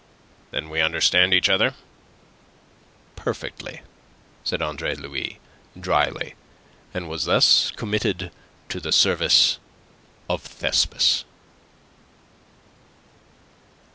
Then we understand each other?" "Perfectly," said Andre Louis, dryly, and was thus committed to the service of Thespis.